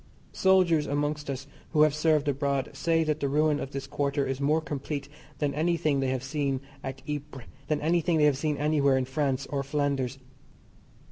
Soldiers amongst us who have served abroad say that the ruin of this quarter is more complete than any thing they have seen at Ypres, than anything they have seen anywhere in France or Flanders.